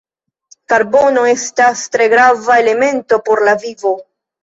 Karbono estas tre grava elemento por la vivo.